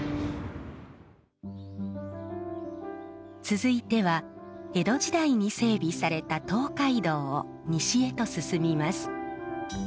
続いては江戸時代に整備された東海道を西へと進みます。